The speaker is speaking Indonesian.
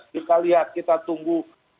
kita lihat kita tunggu